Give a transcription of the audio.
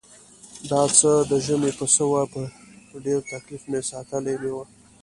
دا څه د ژمي پسه و په ډېر تکلیف ساتلی مې و.